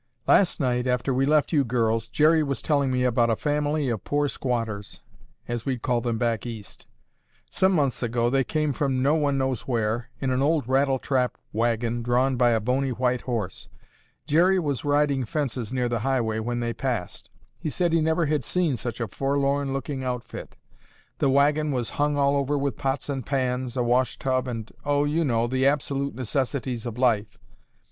Last night, after we left you girls, Jerry was telling me about a family of poor squatters, as we'd call them back East. Some months ago they came from no one knows where, in an old rattletrap wagon drawn by a bony white horse. Jerry was riding fences near the highway when they passed. He said he never had seen such a forlorn looking outfit. The wagon was hung all over with pots and pans, a washtub, and, oh, you know, the absolute necessities of life.